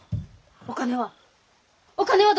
お金は？